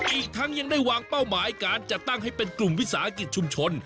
อีกทั้งยังได้วางเป้าหมายการจัดตั้งให้เป็นกลุ่มวิสาหกิจชุมชน